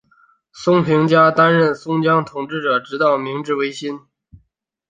松平家担任松江的统治者直到明治维新。